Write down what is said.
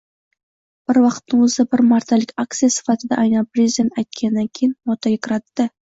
bir vaqtni o‘zida bir martalik aksiya sifatida aynan prezident aytganidan keyin modaga kiradida